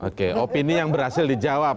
oke opini yang berhasil dijawab